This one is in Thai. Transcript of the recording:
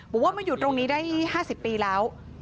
บอกว่ามาอยู่ตรงนี้ได้๕๐ปีแล้ว